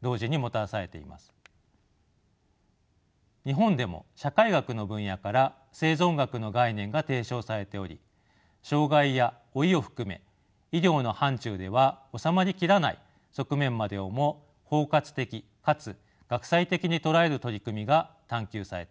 日本でも社会学の分野から生存学の概念が提唱されており障がいや老いを含め医療の範ちゅうでは収まり切らない側面までをも包括的かつ学際的に捉える取り組みが探求されています。